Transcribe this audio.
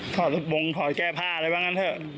ถอดสะปรงจ่ายผ้าอะไรของกันเท่า